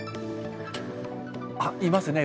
あっいますね。